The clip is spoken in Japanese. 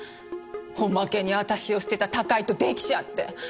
おまけに私を捨てた高井とデキちゃって。